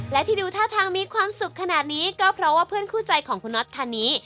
และที่ดูท่าทางมีความสุขขนาดนี้ก็เพราะว่าเพื่อนคู่ใจของคุณน็อตคันนี้